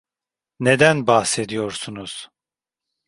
Neden bahsediyorsunuz?